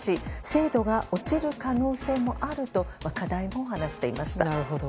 精度が落ちる可能性もあると課題も話していました。